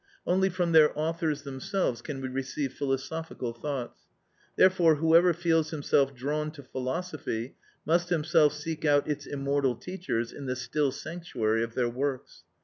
Only from their authors themselves can we receive philosophical thoughts; therefore whoever feels himself drawn to philosophy must himself seek out its immortal teachers in the still sanctuary of their works.